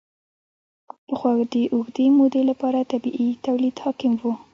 پخوا د اوږدې مودې لپاره طبیعي تولید حاکم و.